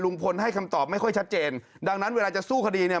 ให้คำตอบไม่ค่อยชัดเจนดังนั้นเวลาจะสู้คดีเนี่ย